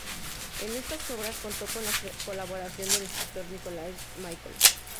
En estas obras contó con la colaboración del escritor Nicolas Michel.